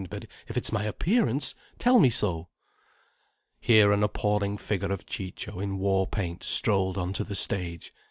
But if it's my appearance, tell me so." Here an appalling figure of Ciccio in war paint strolled on to the stage.